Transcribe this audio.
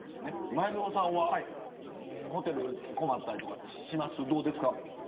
前園さんはホテル困ったりとかしますか。